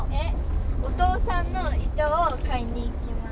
お父さんの糸を買いに行きます。